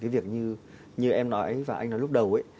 cái việc như em nói và anh nói lúc đầu